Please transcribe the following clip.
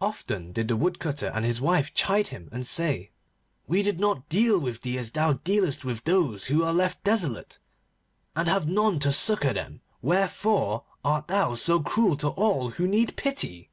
Often did the Woodcutter and his wife chide him, and say: 'We did not deal with thee as thou dealest with those who are left desolate, and have none to succour them. Wherefore art thou so cruel to all who need pity?